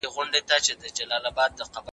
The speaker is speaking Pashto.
پرشتو د خدای په امر کي هیڅ ځنډ ونه کړ.